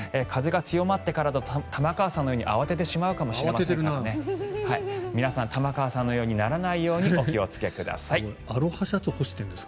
風が強まってからだと玉川さんのように慌ててしまうかもしれないので皆さん、玉川さんのようにならないようにお気をつけください。